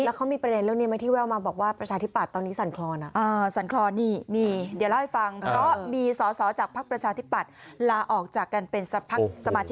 แล้วเขามีประเด็นเรื่องนี้ไหมที่แววมาบอกว่าประชาธิปัตย์ตอนนี้สั่นคลอน